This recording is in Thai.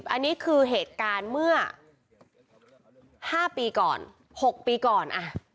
อันนี้คือเหตุการณ์เมื่อ๕ปีก่อน๖ปีก่อน